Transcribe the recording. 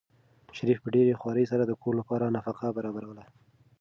شریف په ډېرې خوارۍ سره د کور لپاره نفقه برابروله.